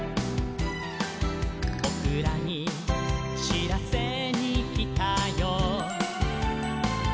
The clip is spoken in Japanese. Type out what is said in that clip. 「ぼくらにしらせにきたよ」